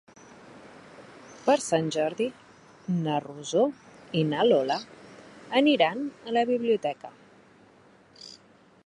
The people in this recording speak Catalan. Per Sant Jordi na Rosó i na Lola aniran a la biblioteca.